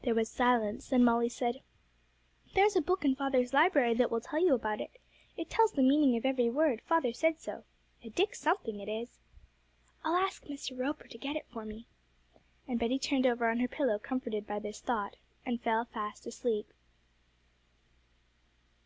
There was silence, then Molly said, 'There's a book in father's library will tell you about it. It tells the meaning of every word; father said so. A dick something it is.' 'I'll ask Mr. Roper to get it for me.' And Betty turned over on her pillow comforted by this thought, and fell fast asleep.